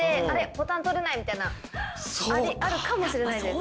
ボタン取れないみたいなあるかもしれないですから。